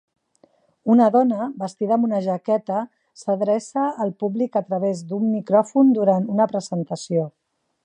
Una dona, vestida amb una jaqueta, s'adreça al públic a través d'un micròfon durant una presentació.